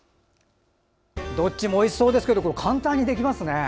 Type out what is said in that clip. どっちもおいしそうですが簡単にできますね。